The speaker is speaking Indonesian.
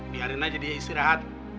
biarin aja dia istirahat